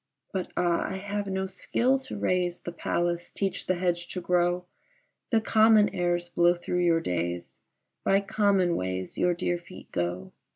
But ah! I have no skill to raise The palace, teach the hedge to grow; The common airs blow through your days, By common ways your dear feet go.